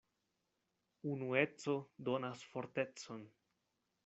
Unueco donas fortecon.